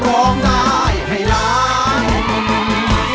ร้องได้ให้ล้าน